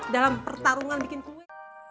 dalam pertarungan bikin kue